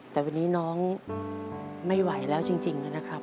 แต่วันนี้น้องไม่ไหวแล้วจริงนะครับ